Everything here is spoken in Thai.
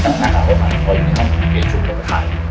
เพราะอย่างนี้เข้ามีเกณฑ์ชุมลงไปถ่าย